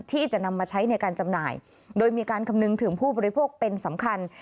ที่จะนำมาใช้ในการจำหน่ายโดยมีการคำนึงถึงผู้บริโภคเป็นสำคัญ